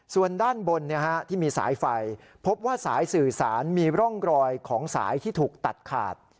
ส่วนด้านบนที่มีสายไฟพบว่าสายสื่อสารมีร่องรอยของสายที่ถูกตัดขาด